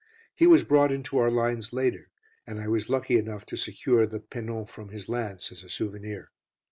He was brought into our lines later, and I was lucky enough to secure the pennon from his lance as a souvenir.